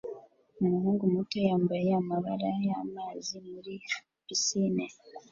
umuhungu muto yambaye amababa y'amazi muri pisine